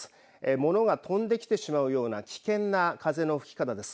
物が飛んできてしまうような危険な風の吹き方です。